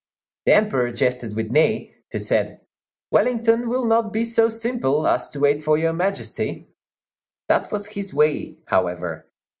The Emperor jested with Ney, who said, "Wellington will not be so simple as to wait for Your Majesty." That was his way, however.